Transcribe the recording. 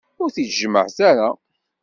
Ur t-id-jemmɛet ara.